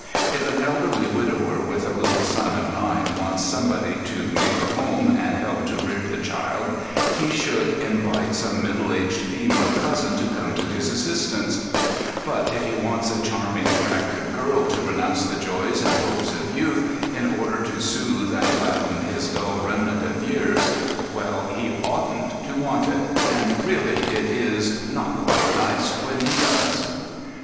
If an elderly widower with a little son of nine wants somebody to make a home and help to rear the child, he should invite some middle aged female cousin to come to his assistance; but if he wants a charming, attractive girl to renounce the joys and hopes of youth in order to soothe and gladden his dull remnant of years—well, he oughtn't to want it, and really it is not quite nice when he does.